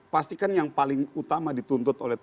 pastikan yang paling utama dituntut oleh tni